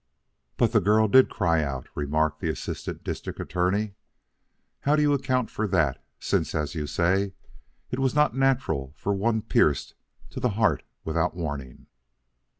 "But the girl did cry out," remarked the Assistant District Attorney. "How do you account for that, since, as you say, it was not natural for one pierced to the heart without warning?"